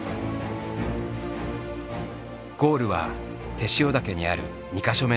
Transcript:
ゴールは天塩岳にある２か所目の補給地点。